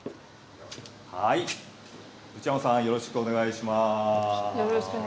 内山さん、よろしくお願いします。